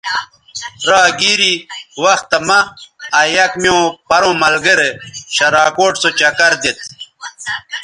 را گیری وختہ مہ آ یک میوں پروں ملگرے شراکوٹ سو چکر دیتھ